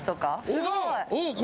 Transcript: すごい。